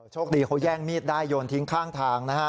โชคดีเขาแย่งมีดได้โยนทิ้งข้างทางนะฮะ